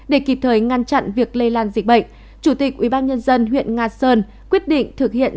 để kịp thời ngăn chặn việc lây lan dịch bệnh chủ tịch ubnd huyện nga sơn quyết định thực hiện